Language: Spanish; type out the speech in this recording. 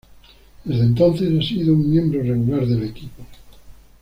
Desde entonces ha sido un miembro regular del equipo.